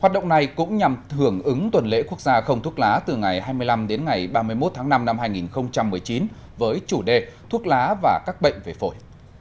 hoạt động này cũng nhằm hưởng ứng tuần lễ quốc gia không thuốc lá từ ngày hai mươi năm đến ngày ba mươi một tháng năm năm hai nghìn một mươi chín với chủ đề thuốc lá và các bệnh về phổi